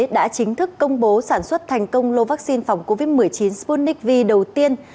đã chính thức công bố sản xuất thành công lô vaccine phòng covid một mươi chín sputnik v đầu tiên